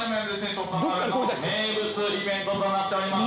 魚魚丸の名物イベントとなっております